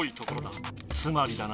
つまりだなあ。